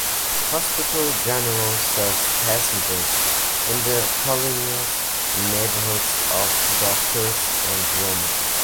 Hospital General serves passengers in the Colonias (neighborhoods) of Doctores and Roma.